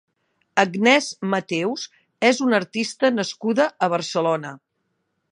Agnès Mateus és una artista nascuda a Barcelona.